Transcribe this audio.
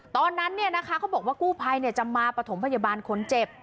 ตอนนั้นเขาบอกว่ากู้ภัยจะมาปฐมพยาบาลคนเจ็บ